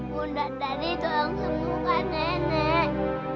bunda dari tolong sembuhkan nenek